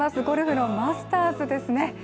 ゴルフのマスターズですね。